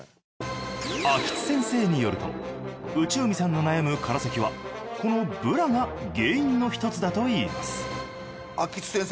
秋津先生によると内海さんの悩むからせきはこのブラが原因の１つだといいます秋津先生